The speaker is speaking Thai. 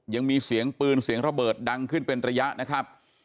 ยังมีเสียงปืนเสียงระเบิดดังขึ้นเป็นระยะนะครับ